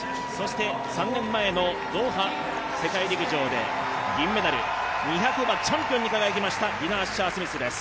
３年前のドーハ世界陸上で銀メダル２００はチャンピオンに輝きました、ディナ・アッシャー・スミスです。